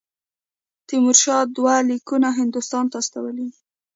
تیمورشاه دوه لیکونه هندوستان ته استولي دي.